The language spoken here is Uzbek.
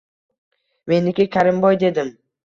Meniki Karimboy, dedim